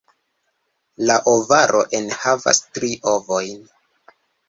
La ovaro enhavas tri ovojn.